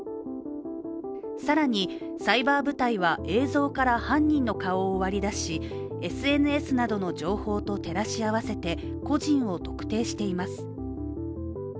更に、サイバー部隊は映像から犯人の顔を割り出しＳＮＳなどの情報と照らし合わせて個人を特定しています。